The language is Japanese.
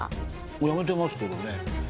もう辞めてますけどね。